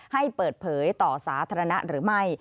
ให้เปิดเผยต่อสาธารณะหรือไม่